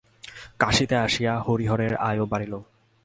কাশীতে আসিয়া হরিহরের আয়ও বাড়িল।